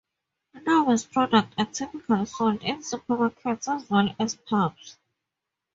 Nobby's products are typically sold in supermarkets as well as pubs.